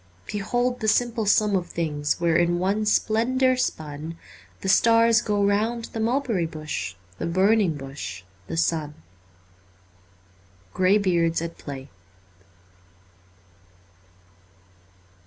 Behold the simple sum of things Where, in one splendour spun, The stars go round the Mulberry Bush, The Burning Bush, the Sun. ' Grey Beards at Play.'